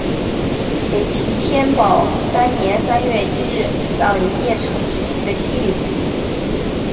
北齐天保三年三月一日葬于邺城之西的西陵。